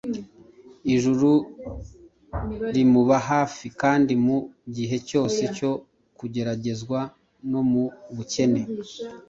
Ijuru rimuba hafi kandi mu gihe cyose cyo kugeragezwa no mu bukene,